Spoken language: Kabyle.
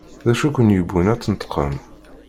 D acu i ken-yewwin ad d-tneṭqem?